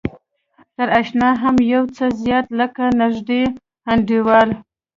تر اشنا هم يو څه زيات لکه نژدې انډيوال.